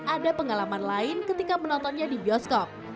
ada pengalaman lain ketika menontonnya di bioskop